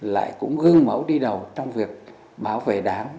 lại cũng gương mẫu đi đầu trong việc bảo vệ đảng